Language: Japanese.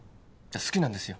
好きなんですよ